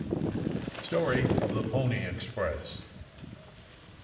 STORY OF THE PONY EXPRESS.